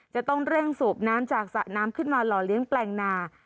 จะต้องเร่งสูบน้ำจากสระน้ำขึ้นมาหล่อเลี้ยงแปลงนา